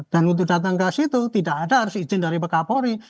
dan untuk datang ke situ tidak ada harus izin dari peka polri